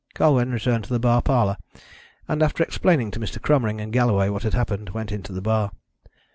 Colwyn returned to the bar parlour and, after explaining to Mr. Cromering and Galloway what had happened, went into the bar.